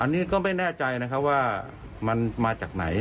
อันนี้ก็ไม่แน่ใจนะครับว่ามันมาจากไหน